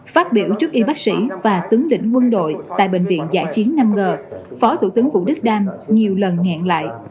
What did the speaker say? phát biểu trước y bác sĩ và tướng lĩnh quân đội tại bệnh viện dạ chiến năm g phó thủ tướng vũ đức đam nhiều lần ngạn lại